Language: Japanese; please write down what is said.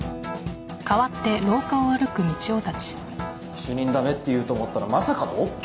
主任駄目って言うと思ったらまさかのＯＫ？